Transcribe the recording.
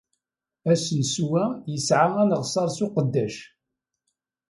Asensu-a yesɛa aneɣsar s uqeddac.